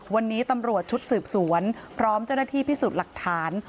วันนี้ตำรวจชุดสืบสวนพร้อมเจ้าหน้าที่พิสูจน์หลักฐาน